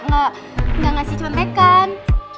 gak ngasih contekan